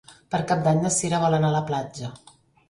Per Cap d'Any na Sira vol anar a la platja.